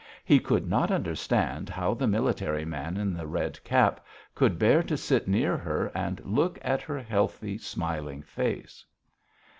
He could not understand how the military man in the red cap could bear to sit near her and look at her healthy smiling face.